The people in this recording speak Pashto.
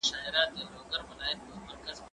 کتاب د زده کوونکي لخوا لوستل کېږي!!